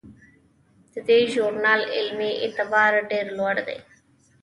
د دې ژورنال علمي اعتبار ډیر لوړ دی.